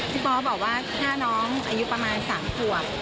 ปอบอกว่าถ้าน้องอายุประมาณ๓ขวบ